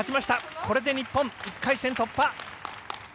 これで日本、１回戦突破。